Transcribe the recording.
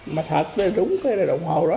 mà thật là đúng cái đồng hồ đó